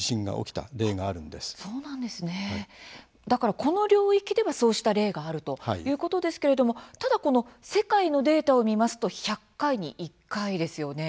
そうなんですねだから、この領域ではそうした例があるということですけれどもただこの世界のデータを見ますと１００回に１回ですよね。